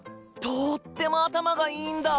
とっても頭がいいんだ。